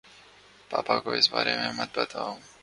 پاپا کو اِس بارے میں مت بتاؤ